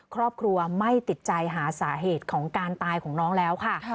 ครอบครัวไม่ติดใจหาสาเหตุของการตายของน้องแล้วค่ะ